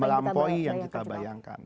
melampaui yang kita bayangkan